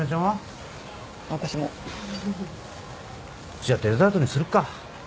じゃあデザートにするか。